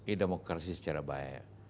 e demokrasi secara baik